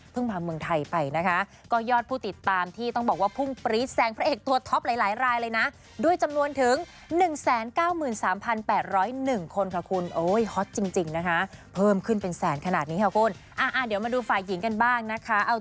เพิ่งมาเมืองไทยไปนะคะก็ยอดผู้ติดตามที่ต้องบอกว่าพุ่งปรี๊ดแสงพระเอกตัวท็อปหลายรายเลยนะ